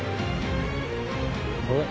あれ？